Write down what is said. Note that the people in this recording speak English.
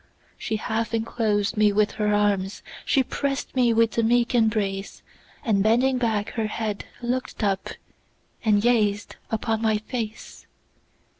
She half enclosed me with her arms, She press'd me with a meek embrace; And bending back her head, look'd up, And gazed upon my face.